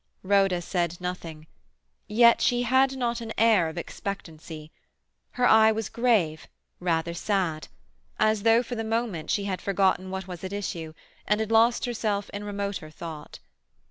Rhoda said nothing. Yet she had not an air of expectancy. Her eye was grave, rather sad, as though for the moment she had forgotten what was at issue, and had lost herself in remoter thought.